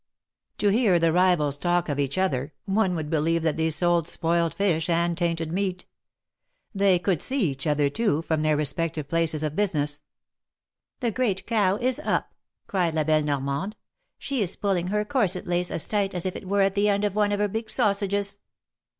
To hear the rivals talk of each other, one would believe that they sold spoiled fish and tainted meat. They could see each other, too, from their respective jdaces of business. The great cow is up !" cried La belle Normande. ^^She is pulling her corset lace as tight as if it were at the end of one of her big sausages."